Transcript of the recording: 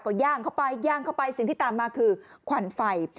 ก็ย่างเข้าไปย่างเข้าไปสิ่งที่ตามมาคือควันไฟ